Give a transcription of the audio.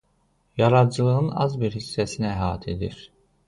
Yaradıcılığının az bir hissəsini əhatə edir.